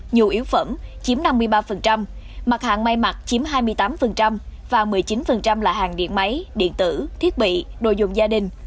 nhiều yếu phẩm chiếm năm mươi ba mặt hàng may mặt chiếm hai mươi tám và một mươi chín là hàng điện máy điện tử thiết bị đồ dùng gia đình